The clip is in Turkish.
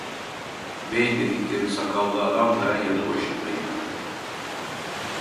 Bey dedikleri sakallı adam da yanı başında idi.